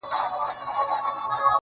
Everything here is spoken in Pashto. مُلا سړی سو، اوس پر لاره د آدم راغلی.